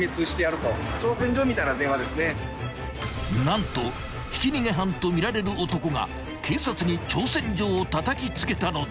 ［何とひき逃げ犯とみられる男が警察に挑戦状をたたきつけたのだ］